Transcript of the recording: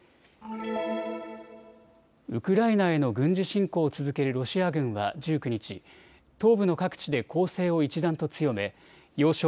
ウクライナへの軍事侵攻を続けるロシア軍は１９日、東部の各地で攻勢を一段と強め要衝